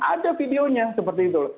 ada videonya seperti itu